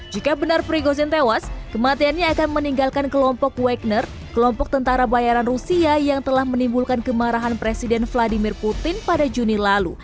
jika benar prigozin tewas kematiannya akan meninggalkan kelompok wakener kelompok tentara bayaran rusia yang telah menimbulkan kemarahan presiden vladimir putin pada juni lalu